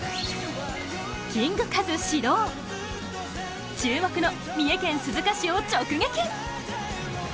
キングカズ指導注目の三重県鈴鹿市を直撃！